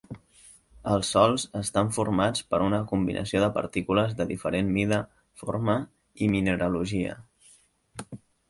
Els sòls estan formats per una combinació de partícules de diferent mida, forma i mineralogia.